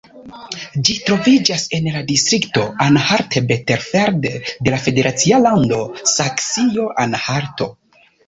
Ĝi troviĝas en la distrikto Anhalt-Bitterfeld de la federacia lando Saksio-Anhalto.